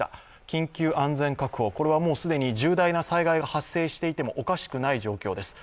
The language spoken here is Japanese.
緊急安全確保、これは既に重大な災害が発生していてもおかしくない状況です。